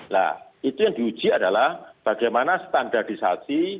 nah itu yang diuji adalah bagaimana standarisasi